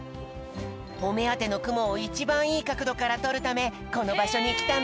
おめあてのくもをいちばんいいかくどからとるためこのばしょにきたんだ。